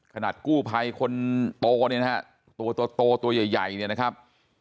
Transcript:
ขนาดกู้ภัยคนโตเนี่ยนะฮะตัวโตตัวใหญ่เนี่ยนะครับ